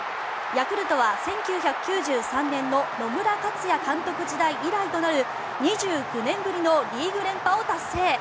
ヤクルトは１９９３年の野村克也監督時代以来となる２９年ぶりのリーグ連覇を達成。